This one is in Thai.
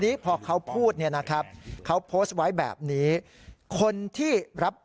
นี้พอเขาพูดเนี่ยนะครับเขาโพสต์ไว้แบบนี้คนที่รับ